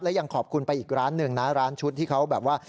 และยังขอบคุณไปอีกร้านหนึ่งนะร้านชุดที่เขาแบบว่า